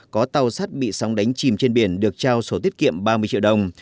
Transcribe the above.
có tàu sắt bị sóng đánh chìm trên biển được trao số tiết kiệm ba mươi triệu đồng